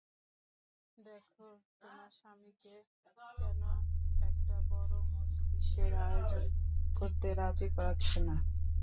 দেখো, তোমার স্বামীকে কেন একটা বড় মজলিশের আয়োজন করতে রাজি করাচ্ছ না?